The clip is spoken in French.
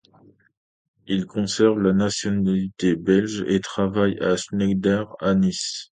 Il conserve la nationalité belge et travaille à Schneider à Nice.